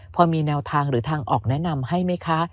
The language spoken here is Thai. พอมีแนวทางหรือทางออกแนะนำให้ไหมคะ